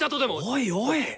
おいおい！